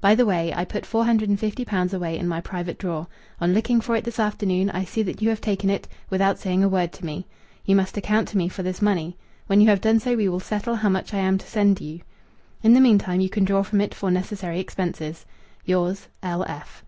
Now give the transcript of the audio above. By the way, I put four hundred and fifty pounds away in my private drawer. On looking for it this afternoon I see that you have taken it, without saying a word to me. You must account to me for this money. When you have done so we will settle how much I am to send you. In the meantime you can draw from it for necessary expenses. Yours, L.F.